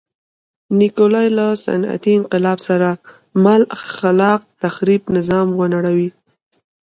نیکولای له صنعتي انقلاب سره مل خلاق تخریب نظام ونړوي.